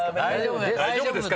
「大丈夫ですか？」